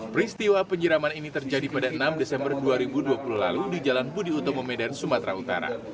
peristiwa penyiraman ini terjadi pada enam desember dua ribu dua puluh lalu di jalan budi utomo medan sumatera utara